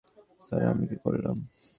Sir, আমি কি করলাম?